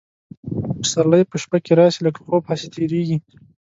پسرلي په شپه کي راسي لکه خوب هسي تیریږي